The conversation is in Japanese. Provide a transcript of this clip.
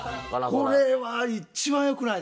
これは一番良くない。